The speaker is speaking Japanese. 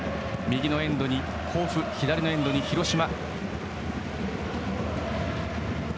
右のエンドに甲府左のエンドに広島。